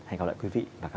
hẹn gặp lại quý vị và các bạn